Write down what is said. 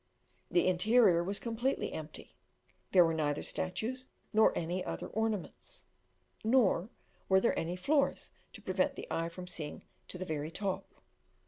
The interior was completely empty; there were neither statues nor any other ornaments; nor were there any floors to prevent the eye from seeing to the very top.